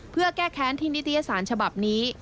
เพื่อแก้แค้นทิ้งนิติศาสตร์ฉบับนี้